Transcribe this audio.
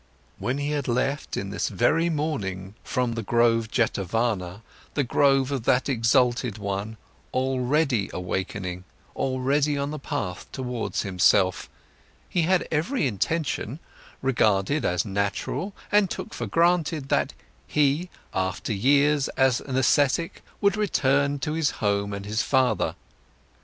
When he had left in this very morning from the grove Jetavana, the grove of that exalted one, already awakening, already on the path towards himself, he had every intention, regarded as natural and took for granted, that he, after years as an ascetic, would return to his home and his father.